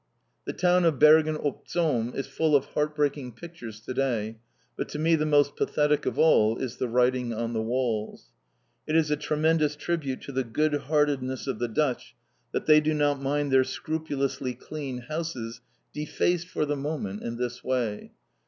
The town of Bergen op Zoom is full of heart breaking pictures to day, but to me the most pathetic of all is the writing on the walls. It is a tremendous tribute to the good heartedness of the Dutch that they do not mind their scrupulously clean houses defaced for the moment in this way.